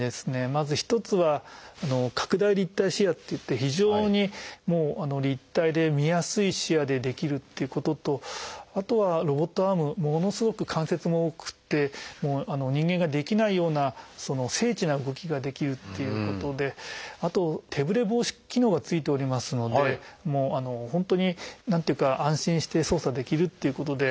まず一つは「拡大立体視野」っていって非常に立体で見やすい視野でできるっていうこととあとはロボットアームものすごく関節も多くて人間ができないような精緻な動きができるっていうことであと手ぶれ防止機能が付いておりますのでもう本当に何ていうか安心して操作できるっていうことで。